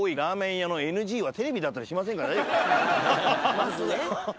まずね。